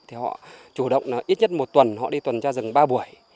thì họ chủ động là ít nhất một tuần họ đi tuần tra rừng ba buổi